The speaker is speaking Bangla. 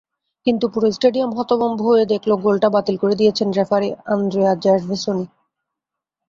কিন্তু পুরো স্টেডিয়াম হতভম্ব হয়ে দেখল গোলটা বাতিল করে দিয়েছেন রেফারি আন্দ্রেয়া জারভেসোনি।